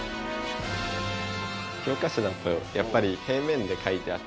教科書だとやっぱり平面で書いてあって。